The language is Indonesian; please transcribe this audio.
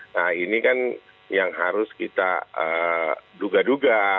nah ini kan yang harus kita duga duga